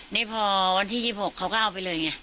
นี่พอวันที่๒๖เขาก็เอาไปเลยอย่างนี้